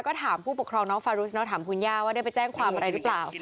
ก็ถามผู้ปกครองน้องฟารุสเนอะถามคุณย่าว่าได้ไปแจ้งความอะไรหรือเปล่า